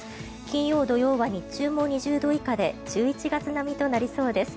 金曜、土曜は日中も２０度以下で１１月並みとなりそうです。